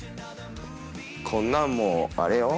こんなんもうあれよ